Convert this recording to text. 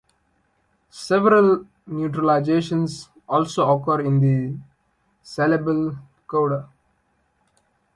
Several neutralizations also occur in the syllable coda.